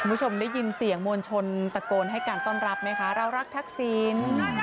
คุณผู้ชมได้ยินเสียงมวลชนตะโกนให้การต้อนรับไหมคะเรารักทักษิณ